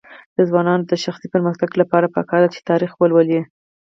د ځوانانو د شخصي پرمختګ لپاره پکار ده چې تاریخ ولولي.